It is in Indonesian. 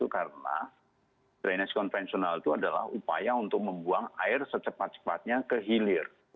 karena drainasi konvensional itu adalah upaya untuk membuang air secepat cepatnya ke hilir